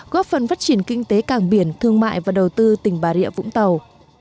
góp phần phát triển kinh tế cảng biển thương mại và đầu tư tỉnh bà rịa vũng tàu